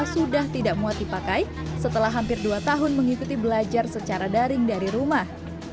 sudah tidak muat dipakai setelah hampir dua tahun mengikuti belajar secara daring dari rumah